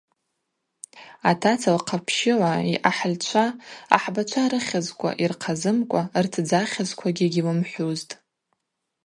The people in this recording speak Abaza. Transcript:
Атаца лхъапщыла йъахӏыльчва ахӏбачва рыхьызква йырхъазымкӏва ртдзахьызквагьи гьлымхӏвузтӏ.